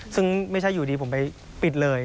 ซึ่งไม่ใช่อยู่ดีผมไปปิดเลย